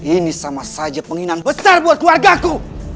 ini sama saja penginginan besar buat keluarga ku